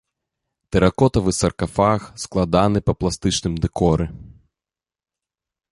Тэракотавы саркафаг складаны па пластычным дэкоры.